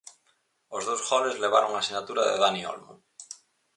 Os dous goles levaron a sinatura de Dani Olmo.